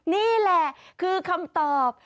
นี่แหละคือคำตอบ